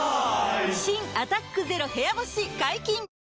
新「アタックＺＥＲＯ部屋干し」解禁‼